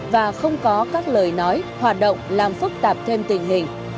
và không có các lời nói hoạt động làm phức tạp thêm tình hình